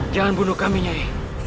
jangan bunuh kami nyai